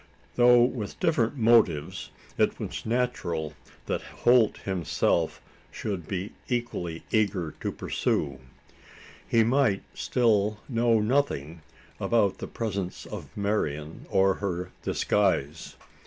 Though with different motives, it was natural that Holt himself should be equally eager to pursue. He might still know nothing about the presence of Marian or her disguise.